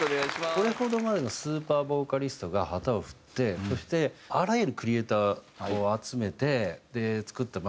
これほどまでのスーパーボーカリストが旗を振ってそしてあらゆるクリエーターを集めて作ったま